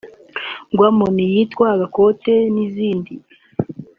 Gwamo n’iyitwa Agakote n’izindi